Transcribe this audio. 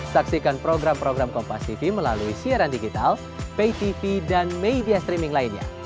saksikan program program kompastv melalui siaran digital paytv dan media streaming lainnya